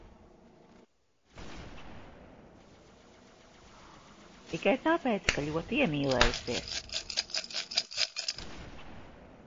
Tikai tāpēc, ka ļoti iemīlējusies.